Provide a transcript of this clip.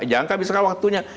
jangan habiskan waktunya